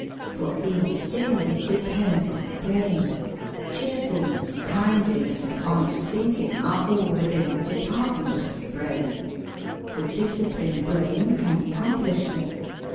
For these things depend on the brain; cheerfulness, kindliness, and honest thinking are all within the department of the brain. The disciplined brain can accomplish them.